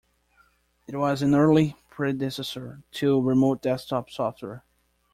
It was an early predecessor to "Remote Desktop" software.